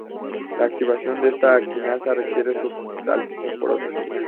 La activación de esta quinasa requiere su fosforilación por otras quinasas.